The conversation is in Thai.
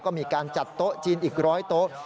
ก็มีการจัดโต๊ะจีนอีก๑๐๐โต๊ะ